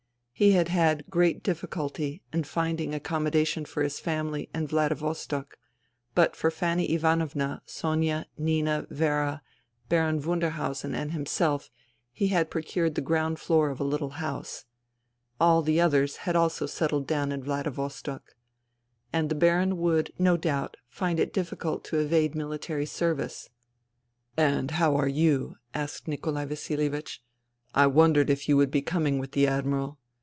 He had had great difficulty in finding accommodation for his family in Vladivostok ; but for Fanny Ivanovna, Sonia, Nina, Vera, Baron Wunderhausen and him INTERVENING IN SIBERIA 119 self he had procured the ground floor of a httle house. All the others had also settled down in Vladivostok. And the Baron would, no doubt, find it difficult to evade mihtary service. "And how are you?" asked Nikolai Vasilievich. " I wondered if you would be coming with the Admiral.